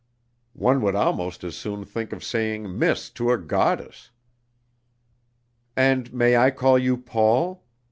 One would almost as soon think of saying Miss to a goddess." "And may I call you Paul?